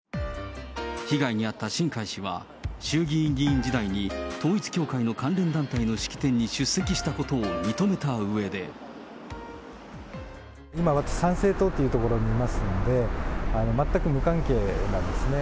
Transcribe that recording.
被害に遭った新開氏は、衆議院議員時代に統一教会の関連団体の式典に出席したことを認め今、私、参政党っていうところにいますんで、全く無関係なんですね。